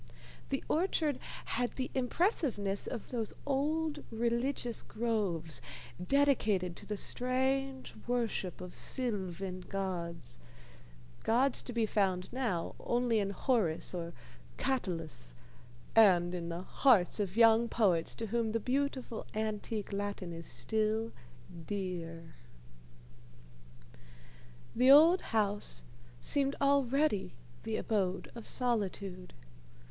The orchard had the impressiveness of those old religious groves, dedicated to the strange worship of sylvan gods, gods to be found now only in Horace or Catullus, and in the hearts of young poets to whom the beautiful antique Latin is still dear. The old house seemed already the abode of Solitude.